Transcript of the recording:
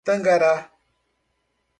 Tangará